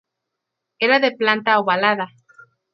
Era de planta ovalada.